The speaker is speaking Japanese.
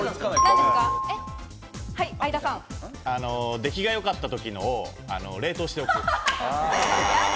出来が良かったときのを冷凍しておく。